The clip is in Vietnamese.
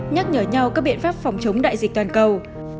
nhắc nhở nhau các biện pháp phòng chống đại dịch toàn cầu